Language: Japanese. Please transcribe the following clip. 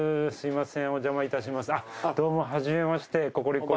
すみません。